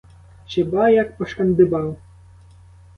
Чи ба, як пошкандибав?